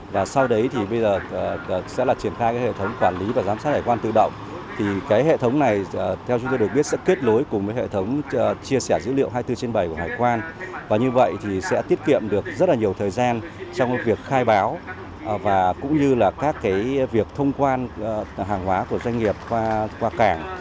và cũng như là các việc thông quan hàng hóa của doanh nghiệp qua cảng